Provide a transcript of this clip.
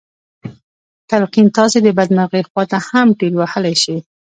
تلقين تاسې د بدمرغۍ خواته هم ټېل وهلی شي.